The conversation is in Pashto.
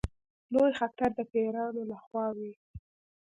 لوی خطر د پیرانو له خوا وي.